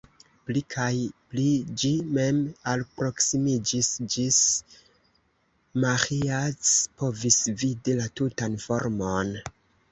Pli kaj pli ĝi mem alproksimiĝis, ĝis Maĥiac povis vidi la tutan formon.